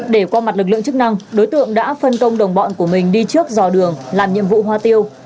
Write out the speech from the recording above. để qua mặt lực lượng chức năng đối tượng đã phân công đồng bọn của mình đi trước dò đường làm nhiệm vụ hoa tiêu